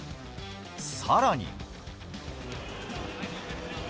さらに。